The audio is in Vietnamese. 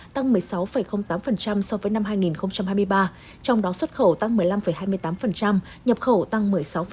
tăng một mươi sáu tám so với năm hai nghìn hai mươi ba trong đó xuất khẩu tăng một mươi năm hai mươi tám nhập khẩu tăng một mươi sáu